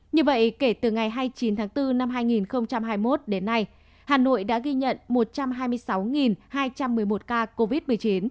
như vậy kể từ ngày hai mươi chín tháng bốn năm hai nghìn hai mươi một đến nay hà nội đã ghi nhận một trăm hai mươi sáu hai trăm một mươi một ca covid một mươi chín